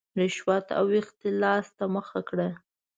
رشوت او اختلاس ته مخه کړه.